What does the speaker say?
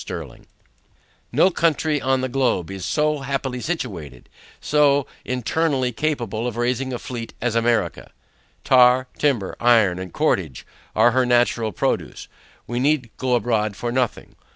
3,500,000 No country on the globe is so happily situated, so internally capable of raising a fleet as America. Tar, timber, iron, and cordage are her natural produce. We need go abroad for nothing.